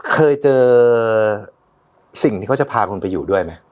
เคยเจอสิ่งที่เขาจะพาคุณไปอยู่ด้วยไหม